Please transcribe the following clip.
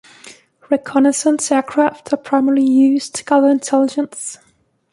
Reconnaissance aircraft are primarily used to gather intelligence.